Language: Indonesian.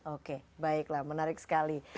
oke baiklah menarik sekali